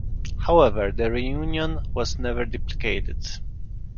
However, the reunion was never duplicated.